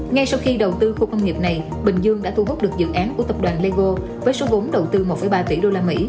ngay sau khi đầu tư khu công nghiệp này bình dương đã thu hút được dự án của tập đoàn lego với số vốn đầu tư một ba tỷ usd